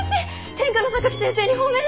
天下の榊先生に褒められた！